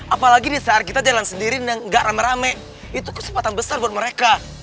apalagi di saat kita jalan sendiri nggak rame rame itu kesempatan besar buat mereka